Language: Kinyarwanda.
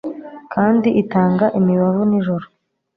Kandi itanga imibavu nijoro